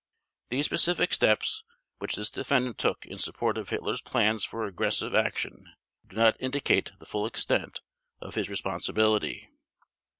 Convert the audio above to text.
These specific steps which this defendant took in support of Hitler's plans for aggressive action do not indicate the full extent of his responsibility.